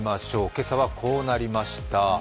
今朝はこうなりました。